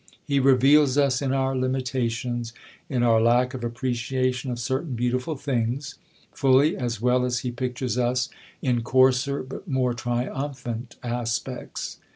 He reveals us in our limitations, in our lack of appreciation of certain beautiful things, fully as well as he pictures us in coarser but more triumphant aspects.